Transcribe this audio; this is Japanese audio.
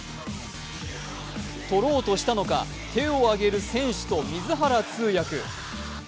捕ろうとしたのか、手を挙げる選手と水谷通訳。